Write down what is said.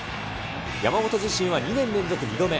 山本自身は２年連続２度目。